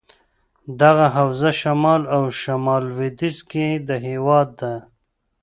دغه حوزه شمال او شمال لودیځ کې دهیواد ده.